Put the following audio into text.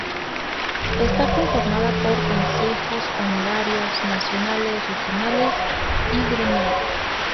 Está conformado por Consejeros honorarios, nacionales, regionales y gremiales.